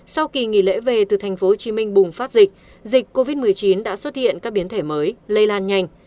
sau kỳ nghỉ lễ về từ tp hcm bùng phát dịch dịch covid một mươi chín đã xuất hiện các biến thể mới lây lan nhanh